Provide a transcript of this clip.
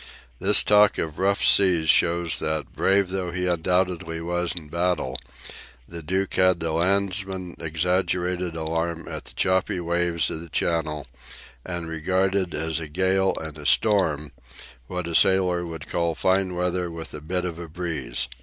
This talk of rough seas shows that, brave though he undoubtedly was in battle, the Duke had the landsman's exaggerated alarm at the choppy waves of the Channel, and regarded as a gale and a storm what a sailor would call fine weather with a bit of a breeze.